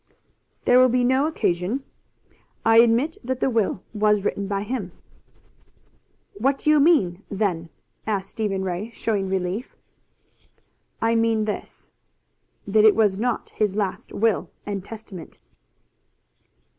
"There will be no occasion. I admit that the will was written by him." "What do you mean, then?" asked Stephen Ray, showing relief. "I mean this that it was not his last will and testament."